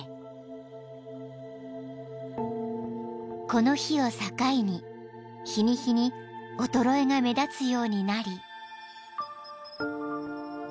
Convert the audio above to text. ［この日を境に日に日に衰えが目立つようになり］